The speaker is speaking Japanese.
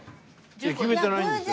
いや決めてないんですよ。